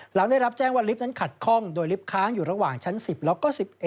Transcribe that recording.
หลังได้รับแจ้งว่าลิฟต์นั้นขัดข้องโดยลิฟต์ค้างอยู่ระหว่างชั้น๑๐แล้วก็๑๑